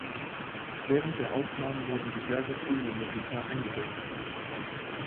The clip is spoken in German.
Während der Aufnahmen wurden diverse Studiomusiker eingesetzt.